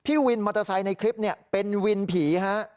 วินมอเตอร์ไซค์ในคลิปเป็นวินผีฮะ